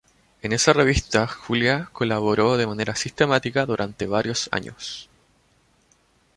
En esa revista Julia colaboró de manera sistemática durante varios años.